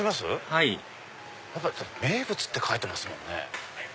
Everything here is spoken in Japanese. はい名物って書いてますもんね。